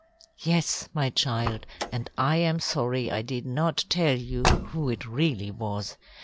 "Yes, my child, and I am sorry I did not tell you who it really was.